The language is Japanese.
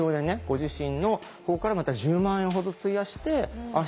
ご自身の方からまた１０万円ほど費やしてああ